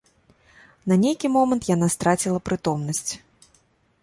На нейкі момант яна страціла прытомнасць.